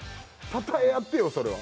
たたえ合ってよ、それは。